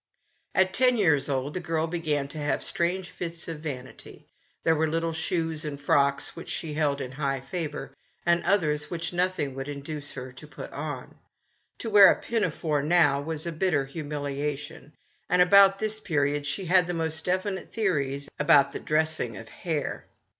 At ten years old the girl began to have strange fits of vanity. There were little shoes and frocks which she held in high favour, and others which nothing would in duce her to put on. To wear a pinafore, now, was a bitter humiliation, and about this period she had the most definite theories about the dressing of hair.